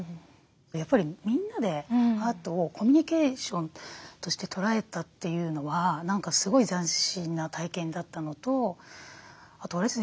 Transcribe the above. やっぱりみんなでアートをコミュニケーションとして捉えたというのは何かすごい斬新な体験だったのとあとあれですね